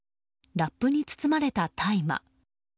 ラップに包まれた大麻。